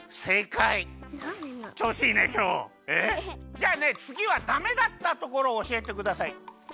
じゃあねつぎはダメだったところをおしえてください。